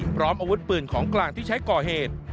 พร้อมอาวุธปืนของกลางที่ใช้ก่อเหตุ